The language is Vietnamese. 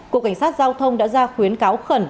cục cảnh sát giao thông đã ra khuyến cáo khẩn